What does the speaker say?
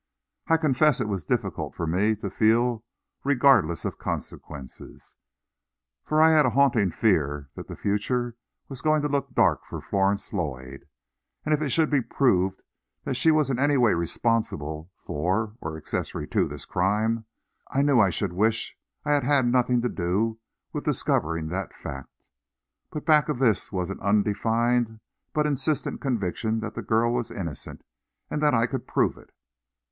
I confess it was difficult for me to feel regardless of consequences, for I had a haunting fear that the future was going to look dark for Florence Lloyd. And if it should be proved that she was in any way responsible for or accessory to this crime, I knew I should wish I had had nothing to do with discovering that fact. But back of this was an undefined but insistent conviction that the girl was innocent, and that I could prove it.